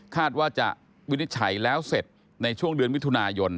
ว่าจะวินิจฉัยแล้วเสร็จในช่วงเดือนมิถุนายน